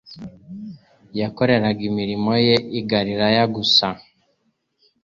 Yakoreraga imirimo ye i Galilaya gusa